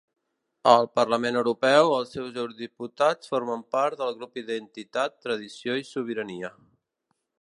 Al Parlament Europeu, els seus eurodiputats formen part del grup Identitat, Tradició i Sobirania.